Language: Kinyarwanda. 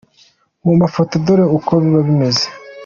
Mu mafoto dore uko biba bimeze :.